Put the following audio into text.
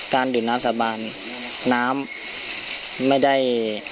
ดื่มน้ำสาบานน้ำไม่ได้